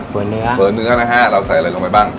เฝอเนื้อนะฮะเราใส่อะไรลงไปบ้าง